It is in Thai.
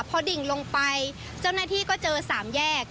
พอดิ่งลงไปเจ้าหน้าที่ก็เจอ๓แยก